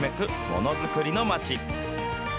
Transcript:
ものづくりの町。